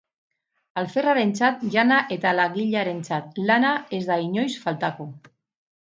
Alferrarentzat jana eta langilearentzat lana ez da inoiz faltako.